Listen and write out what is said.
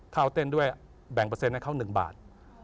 ถ้าเอาเต้นด้วยแบ่งเปอร์เซ็นให้เขา๑บาท